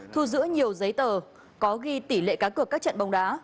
thu giữ nhiều giấy tờ có ghi tỷ lệ cá cược các trận bóng đá